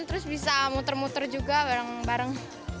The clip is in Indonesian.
terus bisa muter muter juga bareng bareng